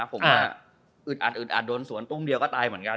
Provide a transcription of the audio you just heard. ผมว่าอึดอัดอึดอัดโดนสวนตุ้มเดียวก็ตายเหมือนกัน